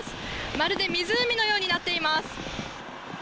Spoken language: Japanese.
まるで湖のようになっています。